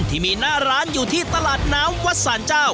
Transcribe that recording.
ที่มีหน้าร้านอยู่ที่ตลาดน้ำวัดสารเจ้า